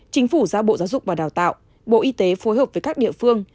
chính phủ giao bộ giáo dục và đào tạo bộ y tế phối hợp với các địa phương